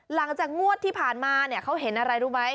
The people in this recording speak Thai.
หลังจากงวดที่ผ่านมาเนี่ยเขาเห็นอะไรรู้ไหม